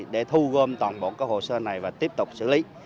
để thu gom toàn bộ hồ sơ này và tiếp tục xử lý